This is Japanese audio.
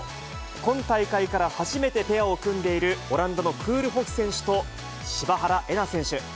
今大会から初めてペアを組んでいる、オランダのクールホフ選手と柴原瑛菜選手。